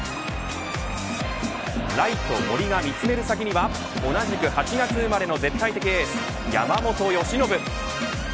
ライト森が見つめる先には同じく８月生まれの絶対的エース山本由伸。